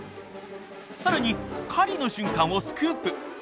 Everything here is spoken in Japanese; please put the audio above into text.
さらに狩りの瞬間をスクープ！